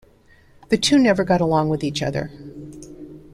The two never got along with each other.